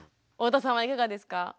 太田さんはいかがですか？